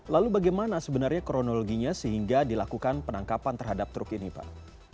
lalu bagaimana sebenarnya kronologinya sehingga dilakukan penangkapan terhadap truk ini pak